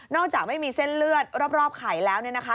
จากไม่มีเส้นเลือดรอบไข่แล้วเนี่ยนะคะ